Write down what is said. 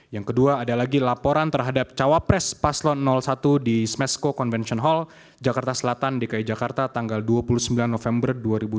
yang kedua ada lagi laporan terhadap cawapres paslon satu di smesco convention hall jakarta selatan dki jakarta tanggal dua puluh sembilan november dua ribu dua puluh